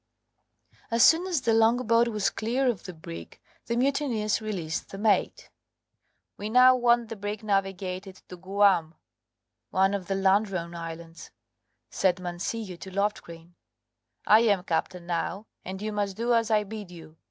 As soon as the longboat was clear of the brig the mutineers released the mate. "We now want the brig navigated to Guam" (one of the Ladrone Islands), said Mancillo to Loftgreen; "I am captain now, and you must do as I bid you.